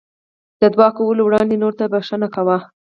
د دعا کولو وړاندې نورو ته بښنه کوه.